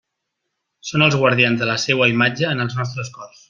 Són els guardians de la seua imatge en els nostres cors.